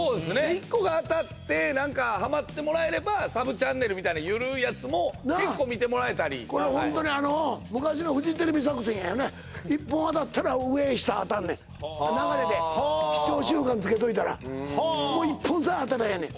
１個が当たってハマってもらえればサブチャンネルみたいなゆるーいやつも結構見てもらえたりこれホントにあの昔のフジテレビ作戦やね１本当たったら上下当たんねん流れで視聴習慣つけといたらもう１本さえ当たりゃええねん